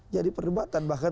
jadi perdebatan bahkan